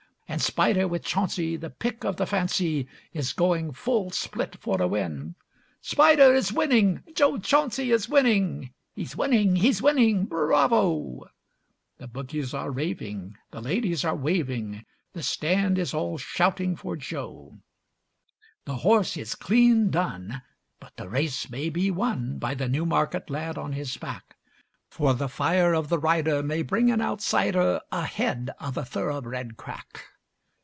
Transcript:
And Spider with Chauncy, the pick of the fancy, Is going full split for a win. 'Spider is winning!' 'Jo Chauncy is winning!' 'He's winning! He's winning! Bravo!' The bookies are raving, the ladies are waving, The Stand is all shouting for Jo. The horse is clean done, but the race may be won By the Newmarket lad on his back; For the fire of the rider may bring an outsider Ahead of a thoroughbred crack.